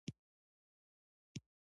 کندز سیند د افغان ځوانانو لپاره دلچسپي لري.